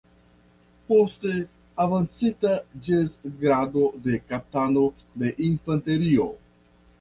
Poste avancita ĝis grado de kapitano de infanterio.